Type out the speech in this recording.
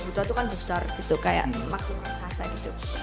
buto itu kan besar gitu kayak makin kerasa gitu